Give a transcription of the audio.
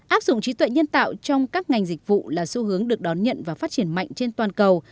áp dụng trí tuệ nhân tạo trong các ngành dịch vụ là xu hướng được đón nhận và phát triển mạnh trên toàn cầu